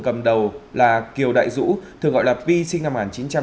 cầm đầu là kiều đại dũ thường gọi là pi sinh năm một nghìn chín trăm chín mươi sáu